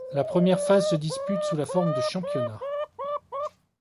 La première phase se dispute sous la forme de championnat.